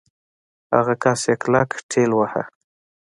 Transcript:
هغه کس يې کلک ټېلوهه.